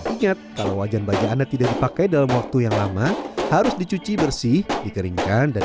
ingat kalau wajan baja anda tidak dipakai dalam waktu yang lama harus dicuci bersih dikeringkan dan